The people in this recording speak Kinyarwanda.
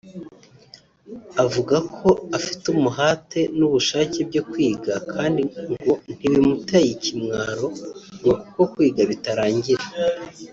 Avuga ko afite umuhate n’ubushake byo kwiga kandi ngo nti bimuteye ikimwaro ngo kuko kwiga bitarangira